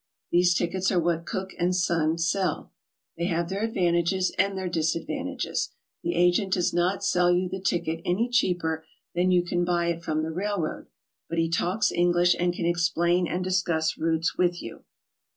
These tickets are what Cook and Gaze sell. They have their advantages and their disadvantages. The agent does noft sell you the ticket any cheaper than you can buy it from the railroad, but he talks English and can explain and discuss routes with you.